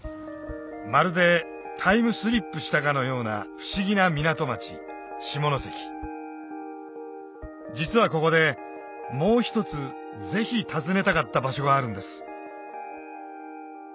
まるでタイムスリップしたかのような不思議な港町下関実はここでもう１つぜひ訪ねたかった場所があるんです